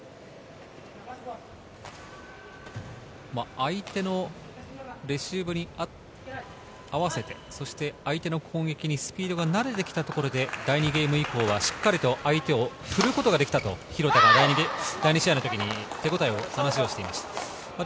相手のレシーブに合わせて、そして相手の攻撃にスピードが慣れてきたところで第２ゲーム以降はしっかりと相手を振ることができたと廣田が第２試合のときに手応えを話していました。